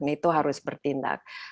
itu harus bertindak